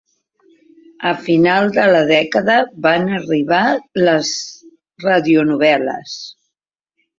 A final de la dècada van arribar les radionovel·les.